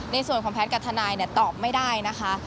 ในส่วนของแพทย์กับทนายตอบไม่ได้นะคะ